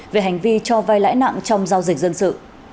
về hành vi cho vai lãi nặng trong giao dịch dân sự